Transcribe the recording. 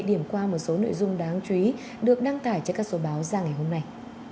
điểm qua một số nội dung đáng chú ý được đăng tải trên các số báo ra ngày hôm nay